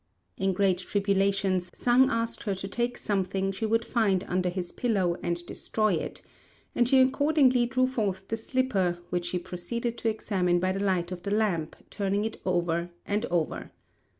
In great tribulation, Sang asked her to take something she would find under his pillow and destroy it; and she accordingly drew forth the slipper, which she proceeded to examine by the light of the lamp, turning it over and over.